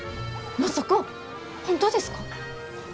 まさか本当ですか？